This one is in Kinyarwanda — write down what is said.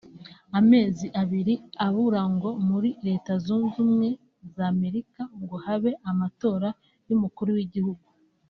Amezi abiri abura ngo muri Leta Zunze Ubumwe z’Amerika ngo habe amatora y’umukuru w’igihugu